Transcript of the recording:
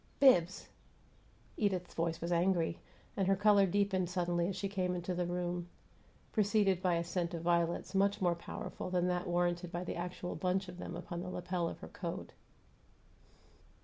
"Bibbs!" Edith's voice was angry, and her color deepened suddenly as she came into the room, preceded by a scent of violets much more powerful than that warranted by the actual bunch of them upon the lapel of her coat.